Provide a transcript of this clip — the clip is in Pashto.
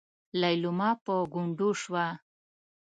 ليلما په ګونډو شوه.